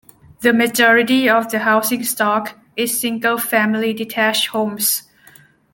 The majority of the housing stock is single-family detached homes.